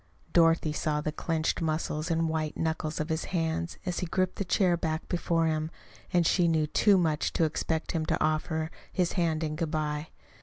Dorothy saw the clenched muscles and white knuckles of his hands as he gripped the chair back before him; and she knew too much to expect him to offer his hand in good bye.